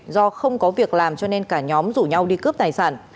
do không có việc làm cho nên cả nhóm rủ nhau đi cướp tài sản